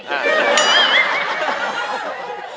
อ่า